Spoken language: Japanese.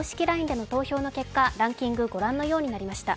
ＬＩＮＥでの投票の結果、ランキングは御覧のようになりました。